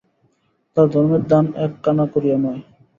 তার ধর্মের দান এক কানাকড়িও নয়।